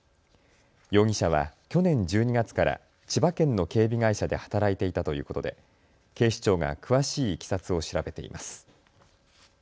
容疑者は去年１２月から千葉県の警備会社で働いていたということで警視庁が詳しいいきさつを調べています。